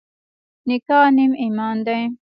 نکاح نیم ایمان دی.